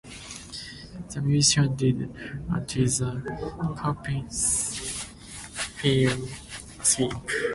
The musician did until the caliph fell asleep.